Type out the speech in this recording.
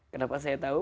kenapa saya tahu